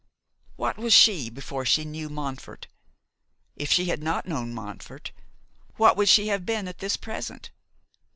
What was she before she knew Montfort? If she had not known Montfort, what would she have been even at this present?